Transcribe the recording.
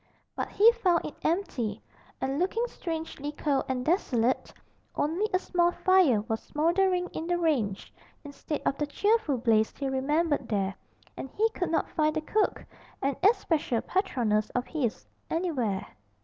But he found it empty, and looking strangely cold and desolate; only a small fire was smouldering in the range, instead of the cheerful blaze he remembered there, and he could not find the cook an especial patroness of his anywhere.